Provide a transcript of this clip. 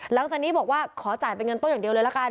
หลังจากนี้บอกว่าขอจ่ายเป็นเงินต้นอย่างเดียวเลยละกัน